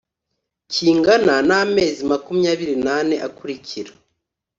kingana n amezi makumyabiri n ane akurikira